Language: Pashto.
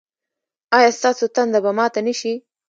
ایا ستاسو تنده به ماته نه شي؟